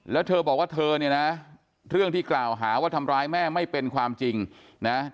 แล้วเธอบอกว่าเธอเนี่ยนะเรื่องที่กล่าวหาว่าทำร้ายแม่ไม่เป็นความจริงนะ